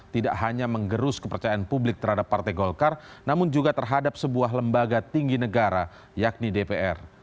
tidak hanya menggerus kepercayaan publik terhadap partai golkar namun juga terhadap sebuah lembaga tinggi negara yakni dpr